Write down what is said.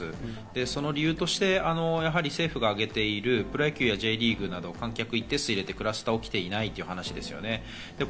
その理由として、やはり政府があげているプロ野球やＪリーグなど観客を一定数入れてクラスターが起きていないという話ですね。